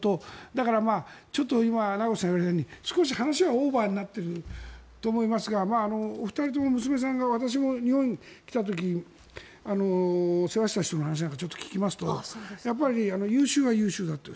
だからちょっと名越さんが言うように少し話はオーバーになっていると思いますがお二人とも娘さんが私も、日本に来た時に世話をした人の話なんかをちょっと聞きますとやっぱり優秀は優秀だと。